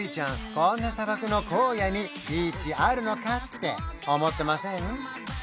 こんな砂漠の荒野にビーチあるのか？って思ってません？